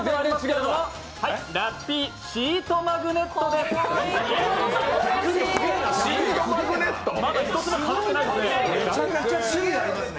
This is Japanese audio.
ラッピーシートマグネットです。